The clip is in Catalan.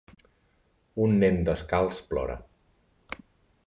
Un nen descalç plora.